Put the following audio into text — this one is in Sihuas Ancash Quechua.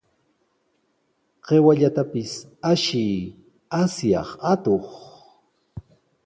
¡Qiwallatapis ashiy, asyaq atuq!